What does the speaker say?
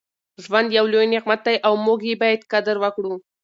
ژوند یو لوی نعمت دی او موږ یې باید قدر وکړو.